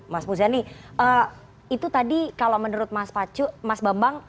mas muzani itu tadi kalau menurut mas pacu mas bambang